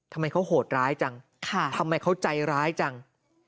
ทำไมเขาโหดร้ายจังทำไมเขาใจร้ายจัง